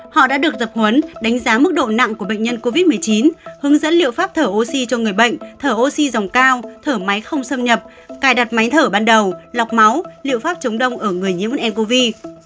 họ đã được tập huấn đánh giá mức độ nặng của bệnh nhân covid một mươi chín hướng dẫn liệu pháp thở oxy cho người bệnh thở oxy dòng cao thở máy không xâm nhập cài đặt máy thở ban đầu lọc máu liệu pháp chống đông ở người nhiễm ncov